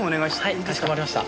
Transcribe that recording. はいかしこまりました。